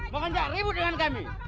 mau ngajak ribut dengan kami